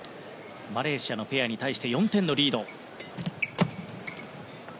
マレーシアのペアに対して４点のリード。